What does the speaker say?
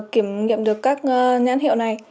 kiểm nghiệm được các nhãn hiệu này